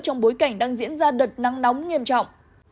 trong bối cảnh đang diễn ra đợt nắng nóng nghiêm trọng